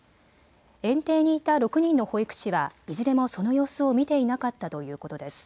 園庭にいた６人の保育士はいずれもその様子を見ていなかったということです。